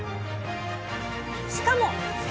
しかもえ？